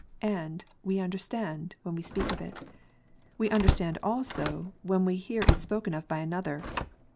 And, we understand, when we speak of it ; we understand also, when we hear it spoken of by another.